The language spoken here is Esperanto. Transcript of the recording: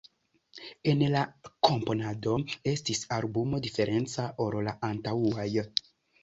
En la komponado estis albumo diferenca ol la antaŭaj.